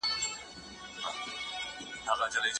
د لویې جرګي په پای کي ولي ګډه اعلامیه خپریږي؟